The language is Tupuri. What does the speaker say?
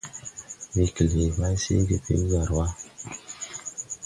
Wee klee bay seege pel jar wa.